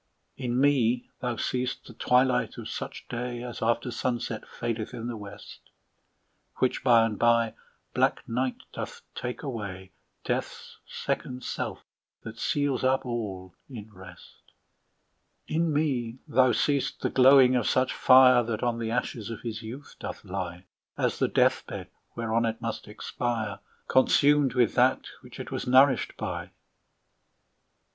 In me thou seest the twilight of such day, As after sunset fadeth in the west, Which by and by black night doth take away, Death's second self that seals up all in rest. In me thou seest the glowing of such fire, That on the ashes of his youth doth lie, As the death bed, whereon it must expire, Consumed with that which it was nourished by.